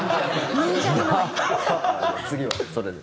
次はそれで。